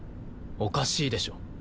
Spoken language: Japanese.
おかしいでしょ。